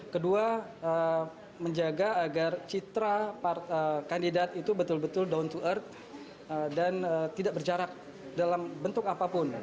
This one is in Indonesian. kedua menjaga agar citra kandidat itu betul betul down to earth dan tidak berjarak dalam bentuk apapun